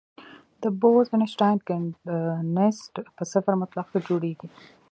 د بوز-اینشټاین کنډنسیټ په صفر مطلق کې جوړېږي.